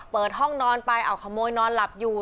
เปิดห้องนอนไปเอาขโมยนอนหลับอยู่